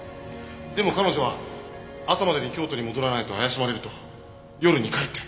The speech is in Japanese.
でも彼女は「朝までに京都に戻らないと怪しまれる」と夜に帰って。